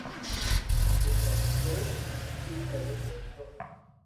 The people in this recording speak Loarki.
پورو حفتہ ڇوتي ڪري ليتو